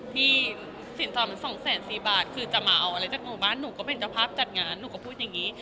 สินสอดมัน๒๔๐๐บาทคือจะมาเอาอะไรจากหมู่บ้านหนูก็เป็นเจ้าภาพจัดงานหนูก็พูดอย่างนี้